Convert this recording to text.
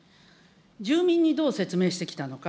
住民にどう説明してきたのか。